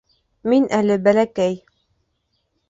Мин әле бәләкәй...